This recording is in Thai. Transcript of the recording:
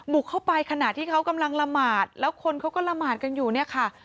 เข้าไปขณะที่เขากำลังละหมาดแล้วคนเขาก็ละหมาดกันอยู่เนี่ยค่ะ